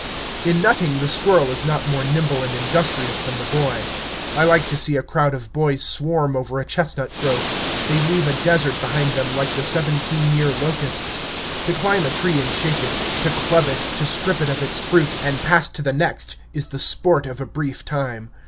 In nutting, the squirrel is not more nimble and industrious than the boy. I like to see a crowd of boys swarm over a chestnut grove; they leave a desert behind them like the seventeen year locusts. To climb a tree and shake it, to club it, to strip it of its fruit, and pass to the next, is the sport of a brief time.